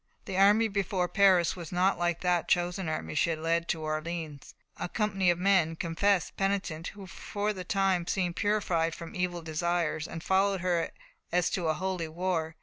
The army before Paris was not like that chosen army she had led to Orleans, a company of men "confessed, penitent," who for the time seemed purified from evil desires, and followed her as to a holy war.